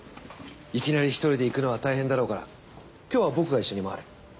いきなり１人で行くのは大変だろうから今日は僕が一緒に回る。